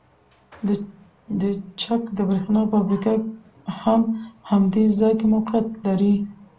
د چک د بریښنا فابریکه هم په همدې ځای کې موقیعت لري